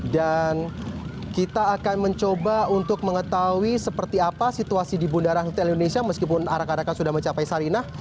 kita akan mencoba untuk mengetahui seperti apa situasi di bundaran hotel indonesia meskipun arak arakan sudah mencapai sarinah